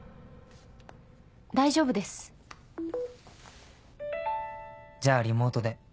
「大丈夫です」「じゃあリモートで。